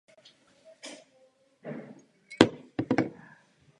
Nejmenší ze všech tří osad.